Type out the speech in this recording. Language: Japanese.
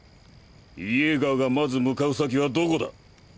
イェーガーがまず向かう先はどこだ？